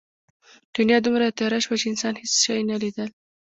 دنیا دومره تیاره شوه چې انسان هېڅ شی نه لیدل.